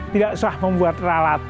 tidak usah membuat ralat